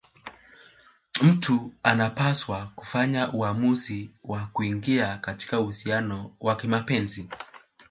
Mtu anapaswa kufanya uamuzi wa kuingia katika uhusiano wa kimapenzi